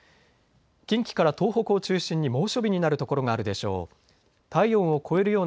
近畿から東北を中心に猛暑日になる所があるでしょう。